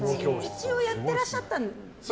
一応やってらっしゃったんですよね。